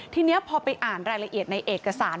ทีนี้พอไปอ่านรายละเอียดในเอกสาร